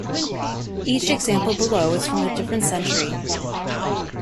Each example below is from a different century.